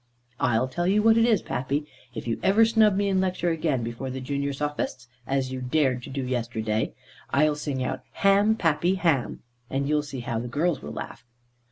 I'll tell you what it is, Pappy, if you ever snub me in lecture again before the junior sophists, as you dared to do yesterday, I'll sing out, 'Ham, Pappy, ham!' and you'll see how the girls will laugh."